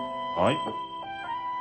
はい。